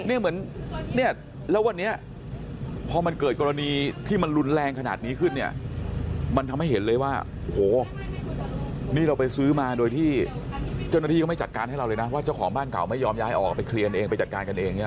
เหมือนเนี่ยแล้ววันนี้พอมันเกิดกรณีที่มันรุนแรงขนาดนี้ขึ้นเนี่ยมันทำให้เห็นเลยว่าโอ้โหนี่เราไปซื้อมาโดยที่เจ้าหน้าที่เขาไม่จัดการให้เราเลยนะว่าเจ้าของบ้านเก่าไม่ยอมย้ายออกไปเคลียร์เองไปจัดการกันเองเนี่ย